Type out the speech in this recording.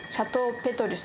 ペトリュス